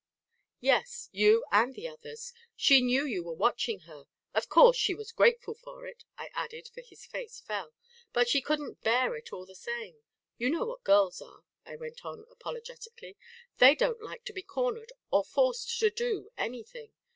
"Yes; you and the others. She knew you were watching her! Of course she was grateful for it!" I added, for his face fell "but she couldn't bear it all the same. You know what girls are," I went on apologetically, "They don't like to be cornered or forced to do anything.